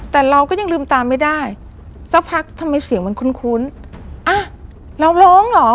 แต่เราก็ยังลืมตาไม่ได้สักพักทำไมเสียงมันคุ้นอ่ะเราร้องเหรอ